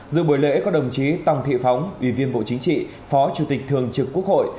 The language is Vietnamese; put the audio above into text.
giữa buổi lễ có đồng chí tòng thị phóng ủy viên bộ chính trị phó chủ tịch thường trực quốc hội